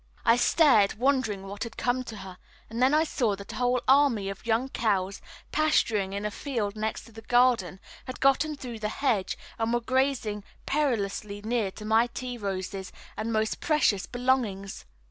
I stared, wondering what had come to her; and then I saw that a whole army of young cows, pasturing in a field next to the garden, had got through the hedge and were grazing perilously near my tea roses and most precious belongings.